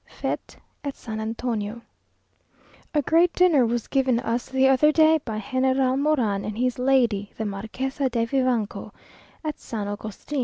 Fête at San Antonio A great dinner was given us the other day by General Moran and his lady the Marquesa de Vivanco, at San Agustin.